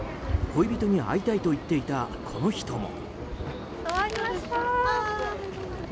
恋人に会いたいと言っていたこの人も。